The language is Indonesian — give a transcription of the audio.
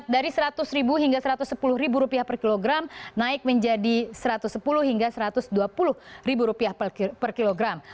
dari rp seratus hingga rp satu ratus sepuluh per kilogram naik menjadi rp satu ratus sepuluh hingga rp satu ratus dua puluh per kilogram